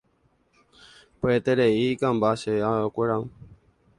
Pya'eterei ikãmba che aokuéra.